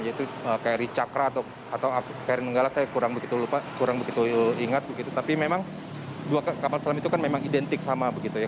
yaitu kri cakra atau kri nenggala saya kurang begitu ingat begitu tapi memang dua kapal selam itu kan memang identik sama begitu ya